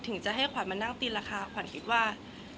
ถึงจะให้ขวัญมานั่งตีนราคาขวัญคิดว่า